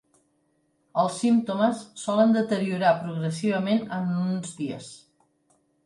Els símptomes solen deteriorar progressivament en uns dies.